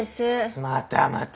またまた。